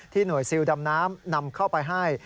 หน่วยซิลดำน้ำนำเข้าไปให้